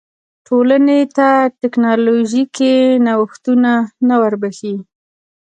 ټولنې ته ټکنالوژیکي نوښتونه نه وربښي.